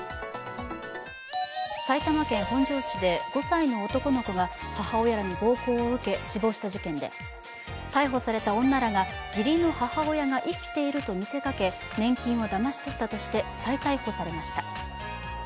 埼玉県本庄市で５歳の男の子が母親らに暴行を受け死亡した事件で逮捕された女らが義理の母親が生きていると見せかけ年金をだまし取ったとして再逮捕されました。